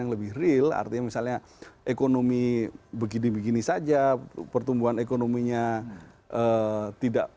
tapi kalau itu nanti sudah menyentuh persoalan yang lebih real artinya misalnya ekonomi begini begini saja pertumbuhan ekonominya tidak